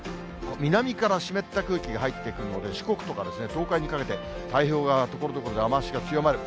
南から湿った空気が入ってくるので、四国とか東海にかけて、太平洋側、ところどころで雨足が強まる。